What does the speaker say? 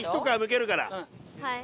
はい。